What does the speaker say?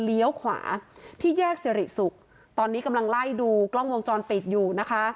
เลี้ยวขวาที่แยกเสร็จศุกร์ตอนนี้กำลังไล่ดูกล้องพวงจรปิดอยู่นะคะ